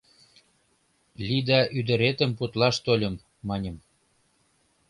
— Лида ӱдыретым путлаш тольым, — маньым.